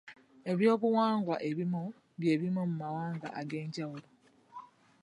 Eby'obuwangwa ebimu bye bimu mu mawanga ag'enjawulo.